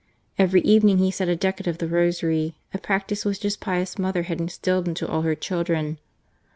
Every evening he said a decade of the Rosary, a practice which his pious mother had instilled into all her children.